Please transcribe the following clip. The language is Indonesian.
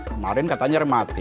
kemarin katanya remati